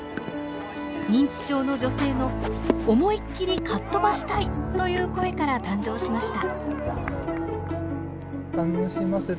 認知症の女性の「思いっきりかっとばしたい」という声から誕生しました。